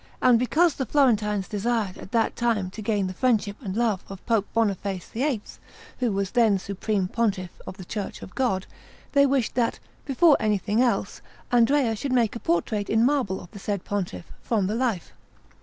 And because the Florentines desired at that time to gain the friendship and love of Pope Boniface VIII, who was then Supreme Pontiff of the Church of God, they wished that, before anything else, Andrea should make a portrait in marble of the said Pontiff, from the life.